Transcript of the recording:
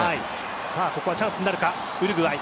ここはチャンスになるかウルグアイ。